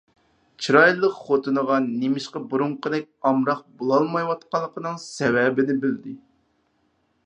چىرايلىق خوتۇنىغا نېمىشقا بۇرۇنقىدەك ئامراق بولالمايۋاتقىنىنىڭ سەۋەبىنى بىلدى.